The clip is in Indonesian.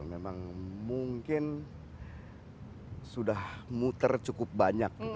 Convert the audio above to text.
memang mungkin sudah muter cukup banyak